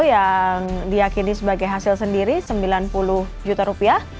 yang diakini sebagai hasil sendiri sembilan puluh juta rupiah